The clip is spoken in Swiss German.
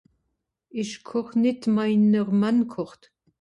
Ich koch nitt, meiner Mann kocht